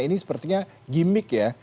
ini sepertinya gimmick ya